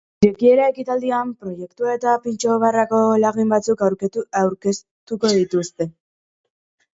Irekiera ekitaldian, proiektua eta pintxo barrako lagin batzuk aurkeztuko dituzte.